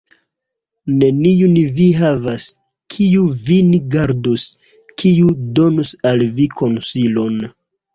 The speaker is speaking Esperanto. Neniun vi havas, kiu vin gardus, kiu donus al vi konsilon.